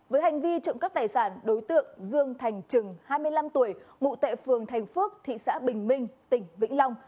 với hành vi trộm các tài sản đối tượng dương thành trừng hai mươi năm tuổi mụ tệ phường thành phước thị xã bình minh tỉnh vĩnh long